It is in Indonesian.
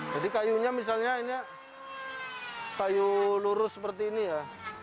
jadi kayunya misalnya ini ya kayu lurus seperti ini ya